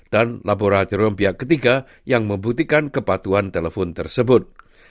dan laboratorium pihak ketiga yang membuktikan kepatuan telepon tersebut